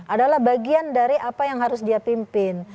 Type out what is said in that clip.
adalah bagian dari apa yang harus dia pimpin